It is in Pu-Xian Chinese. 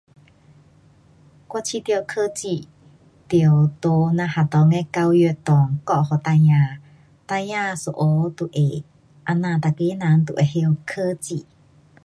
我觉得科技，得在咱学堂的教育内较教给孩儿，孩儿一教就会，这样每个人都会晓科技。